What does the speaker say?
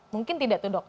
mungkin tidak tuh dok